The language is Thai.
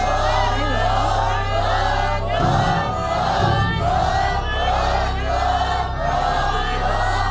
โอเคนะครับ